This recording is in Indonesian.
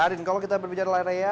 karin kalau kita berbicara l'area